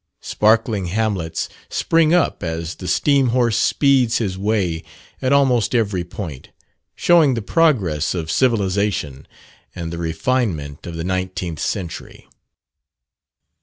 Sparkling hamlets spring up as the steam horse speeds his way, at almost every point showing the progress of civilization, and the refinement of the nineteenth century.